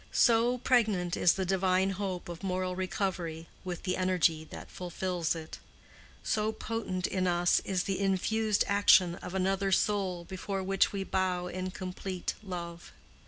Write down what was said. So pregnant is the divine hope of moral recovery with the energy that fulfills it. So potent in us is the infused action of another soul, before which we bow in complete love.